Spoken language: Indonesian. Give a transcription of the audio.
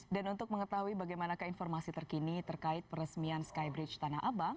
dan untuk mengetahui bagaimana keinformasi terkini terkait peresmian skybridge tanah abang